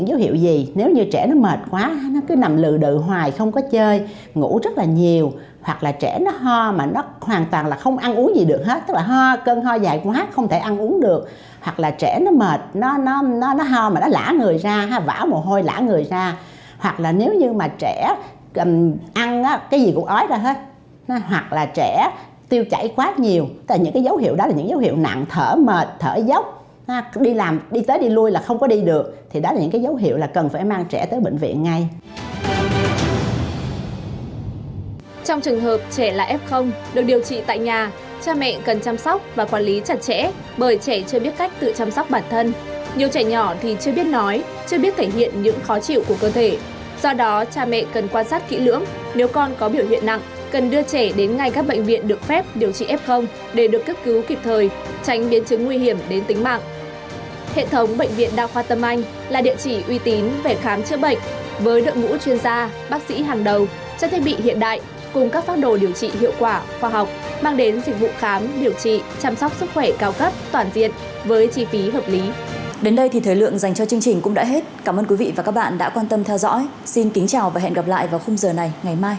đến đây thì thời lượng dành cho chương trình cũng đã hết cảm ơn quý vị và các bạn đã quan tâm theo dõi xin kính chào và hẹn gặp lại vào khung giờ này ngày mai